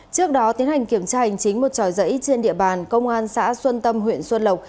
trước đó tiến hành kiểm tra hành chính một tròi giấy trên địa bàn công an xã xuân tâm huyện xuân lộc